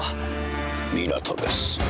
港です。